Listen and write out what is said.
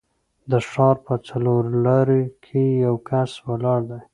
د ښار په څلورلارې کې یو کس ولاړ دی.